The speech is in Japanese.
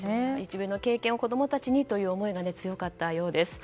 自分の経験を子供たちにという思いが強かったそうです。